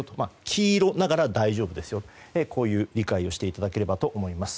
黄色なら大丈夫ですよという理解をしていただければと思います。